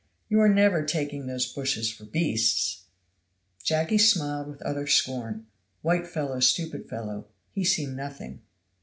You are never taking those bushes for beasts?" Jacky smiled with utter scorn. "White fellow stupid fellow; he see nothing."